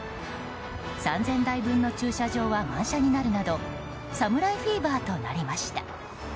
３０００台分の駐車場は満車になるなど侍フィーバーとなりました。